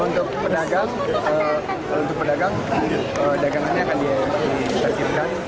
untuk pedagang pedagangannya akan disertifkan